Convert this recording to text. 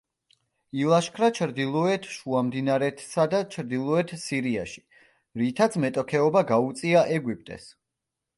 ილაშქრა ჩრდილოეთ შუამდინარეთსა და ჩრდილოეთ სირიაში, რითაც მეტოქეობა გაუწია ეგვიპტეს.